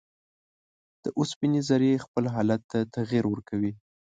د اوسپنې ذرې خپل حالت ته تغیر ورکوي.